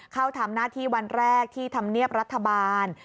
เข้าทำหน้าที่วันแรกที่ธรรมเนียบรัฐบาล